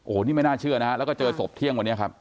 โอ้โหนี่ไม่น่าเชื่อนะฮะแล้วก็เจอศพเที่ยงวันนี้ครับ